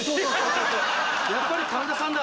やっぱり神田さんだ。